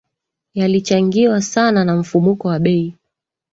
yalichangiwa sana na mfumuko wa bei